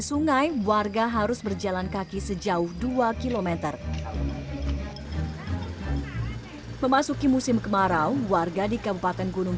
sungai warga harus berjalan kaki sejauh dua km memasuki musim kemarau warga di kabupaten gunung